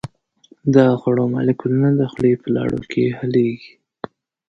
د خوړو مالیکولونه د خولې په لاړو کې حلیږي.